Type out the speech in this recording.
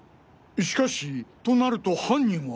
しかしとなると犯人は？